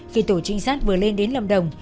khi tổ trinh sát vừa lên đến lâm đồng